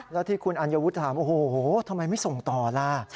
แล้วที่คุณอัญวุฒิถามโอ้โหทำไมไม่ส่งต่อล่ะ